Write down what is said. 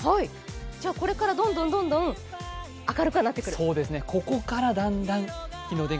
じゃあ、これからどんどん明るくなってくる？